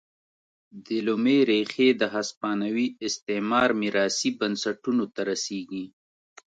دې لومې ریښې د هسپانوي استعمار میراثي بنسټونو ته رسېږي.